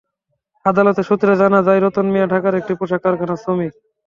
আদালত সূত্রে জানা যায়, রতন মিয়া ঢাকার একটি পোশাক কারখানার শ্রমিক।